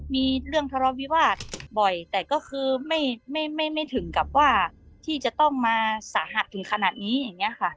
ต้องมาสาหัสถึงขนาดนี้อย่างนี้ค่ะ